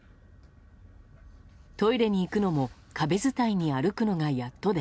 トイレに行くのも壁伝いに歩くのがやっとで。